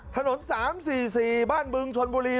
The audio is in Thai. ถนน๓๔๔บ้านบึงชนบุรี